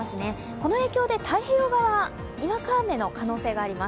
この影響で太平洋側はにわか雨の可能性があります。